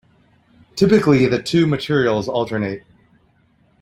Typically the two materials alternate.